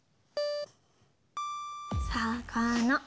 さかな。